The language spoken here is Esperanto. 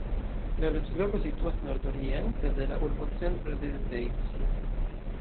La loĝloko situas nordoriente de la urbocentro de Zeitz.